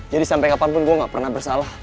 jadi sampe kapanpun gue gak pernah bersalah